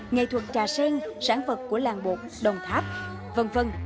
nghệ thuật trà sen sản vật của làng bột đồng tháp v v